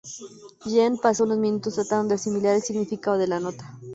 Jean pasa unos minutos tratando de asimilar el significado de la nota.